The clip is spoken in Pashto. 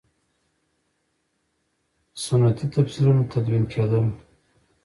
سنتي تفسیرونه تدوین کېدل.